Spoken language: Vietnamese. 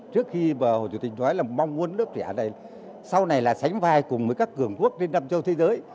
trước khi mà hồ chủ tịch nói là mong muốn nước trẻ này sau này là sánh vai cùng với các cường quốc trên năm châu thế giới